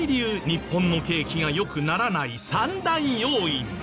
日本の景気が良くならない３大要因。